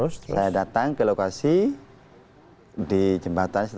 saya datang ke lokasi di jembatan